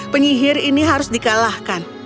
penyihir ini harus dikalahkan